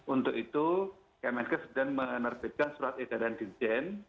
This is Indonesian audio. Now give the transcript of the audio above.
untuk itu kmnk sedang menerbitkan surat edaran dirjen